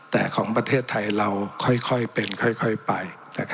แต่ของประเทศไทยเราค่อยเป็นค่อยไป